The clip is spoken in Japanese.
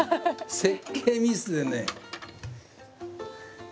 設計ミスでね。